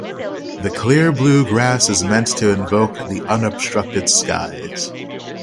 The clear blue glass is meant to invoke the unobstructed skies.